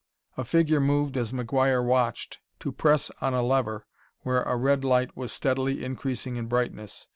A figure moved as McGuire watched, to press on a lever where a red light was steadily increasing in brightness.